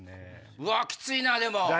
うわっきついなでも。